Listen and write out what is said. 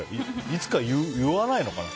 いつか言わないのかな。